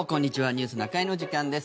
「ニュースな会」の時間です。